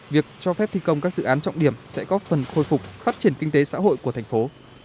việc cho phép thi công các dự án trọng điểm sẽ góp phần khôi phục phát triển kinh tế xã hội của thành phố